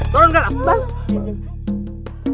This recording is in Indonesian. turun kan abang